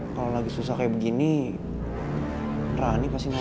kalo lagi susah kayak begini rani pasti nolong